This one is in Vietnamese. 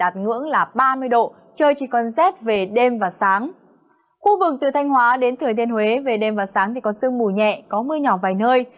khu vực từ thanh hóa đến thừa thiên huế về đêm và sáng thì có sương mù nhẹ có mưa nhỏ vài nơi